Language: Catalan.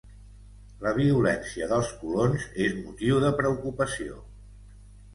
La violència dels colons és motiu de preocupació.